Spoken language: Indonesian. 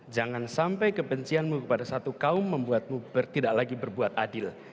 jangan sampai kebencianmu kepada satu kaum membuatmu tidak lagi berbuat adil